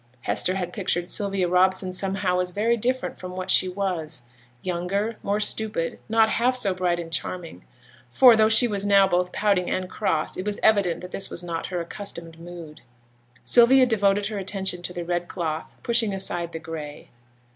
Hester had pictured Sylvia Robson, somehow, as very different from what she was: younger, more stupid, not half so bright and charming (for, though she was now both pouting and cross, it was evident that this was not her accustomed mood). Sylvia devoted her attention to the red cloth, pushing aside the gray.